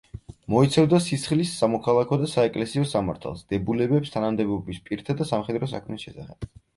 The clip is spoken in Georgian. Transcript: მოიცავდა სისხლის, სამოქალაქო და საეკლესიო სამართალს, დებულებებს თანამდებობის პირთა და სამხედრო საქმის შესახებ.